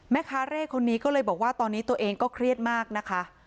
แม่ค้าเร่คนนี้ก็เลยบอกว่าตอนนี้ตัวเองก็เครียดมากนะคะ